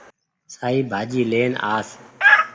سآئي ڀآجي لين آس